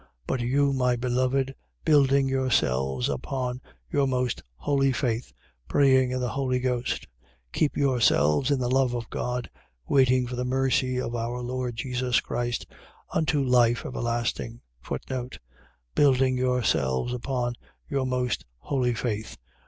1:20. But you, my beloved, building yourselves upon your most holy faith, praying in the Holy Ghost, 1:21. Keep yourselves in the love of God, waiting for the mercy of our Lord Jesus Christ, unto life everlasting. Building yourselves upon your most holy faith.